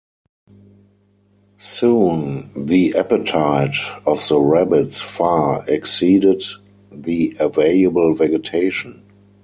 Soon, the appetite of the rabbits far exceeded the available vegetation.